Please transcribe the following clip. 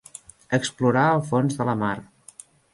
Explorar el fons de la mar.